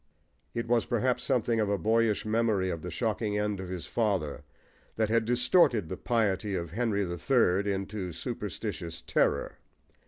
It was perhaps something of a boyish memory of the shocking end of his father that had distorted the piety of Henry the Third into superstitious terror.